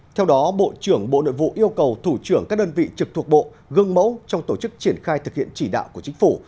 theo đó bộ trưởng bộ nội vụ yêu cầu thủ trưởng các đơn vị trực thuộc bộ gương mẫu trong tổ chức triển khai thực hiện chỉ đạo của chính phủ